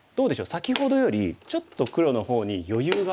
先ほどよりちょっと黒の方に余裕がある気しません？